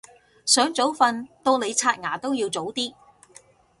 想早瞓到你刷牙都要早啲